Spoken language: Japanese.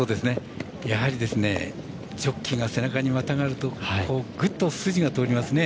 やはりジョッキーが背中に乗りますとぐっと筋が通りますね。